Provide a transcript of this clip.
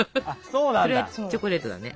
それはチョコレートだね。